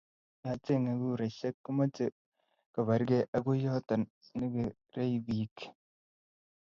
yo chengee kuraishek komeche koborgei ago yoto negerei biik